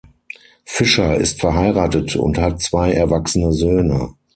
Fischer ist verheiratet und hat zwei erwachsene Söhne.